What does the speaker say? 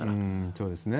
そうですね。